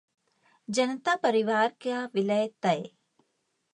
जनता परिवार का विलय तय